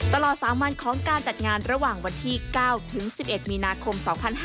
ตลอด๓วันของการจัดงานระหว่างวันที่๙ถึง๑๑มีนาคม๒๕๕๙